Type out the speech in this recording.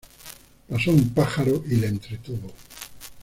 Pasó un pájaro y le entretuvo.